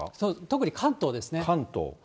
特に関東ですね。